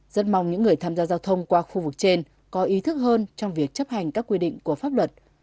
rất mong những người tham gia giao thông qua khu vực trên có ý thức hơn trong việc chấp hành các quy định của pháp luật